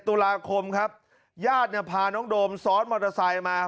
ตุลาคมครับญาติเนี่ยพาน้องโดมซ้อนมอเตอร์ไซค์มา